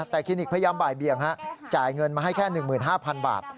แต่คลินิกพยายามบ่ายเบียงจ่ายเงินมาให้แค่๑๕๐๐๐บาท